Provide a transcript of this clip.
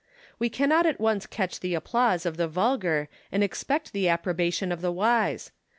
We cannot at once catch the applause of the vulgar and expect the approbation of the wise.